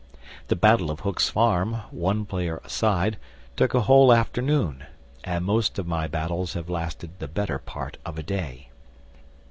The Battle of Hook's Farm (one player a side) took a whole afternoon, and most of my battles have lasted the better part of a day.